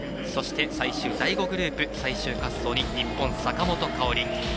そして、最終第５グループ最終滑走に日本の坂本花織。